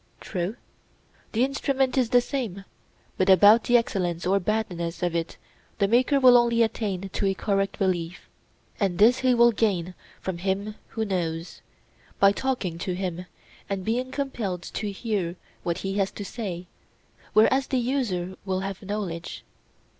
True. The instrument is the same, but about the excellence or badness of it the maker will only attain to a correct belief; and this he will gain from him who knows, by talking to him and being compelled to hear what he has to say, whereas the user will have knowledge?